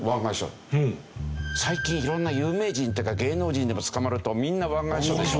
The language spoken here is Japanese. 最近色んな有名人っていうか芸能人でも捕まるとみんな湾岸署でしょ。